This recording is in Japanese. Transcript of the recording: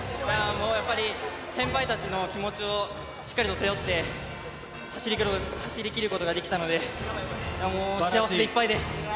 やっぱり、先輩たちの気持ちをしっかりと背負って、走りきることができたので、もう幸せでいっぱいです。